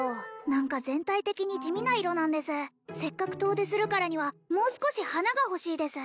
何か全体的に地味な色なんですせっかく遠出するからにはもう少し華がほしいです